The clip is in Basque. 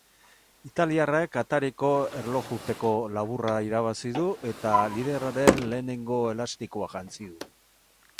Italiarrak atariko erlojupeko laburra irabazi du eta liderraren lehenengo elastikoa jantzi du.